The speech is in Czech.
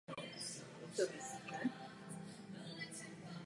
Díky vlivu osmanské turečtiny se tento název vyskytuje ve většině slovanských jazyků.